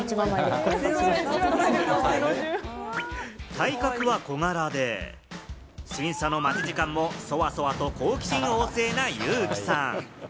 体格は小柄で、審査の待ち時間も、そわそわと好奇心旺盛なユウキさん。